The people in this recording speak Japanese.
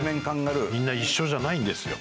みんな一緒じゃないんですよ。